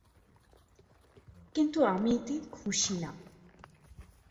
কিন্তু আমি এতে খুশি না।